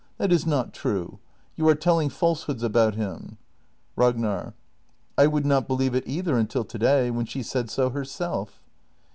] That is not true! You are telling falsehoods about him! Ragnar. I would not believe it either until to day — when she said so herself.